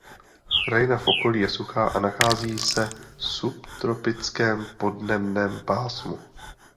Krajina v okolí je suchá a nachází se subtropickém podnebném pásmu.